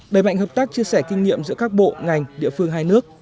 đẩy mạnh hợp tác chia sẻ kinh nghiệm giữa các bộ ngành địa phương hai nước